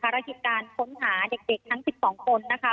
ภารกิจการค้นหาเด็กทั้ง๑๒คนนะคะ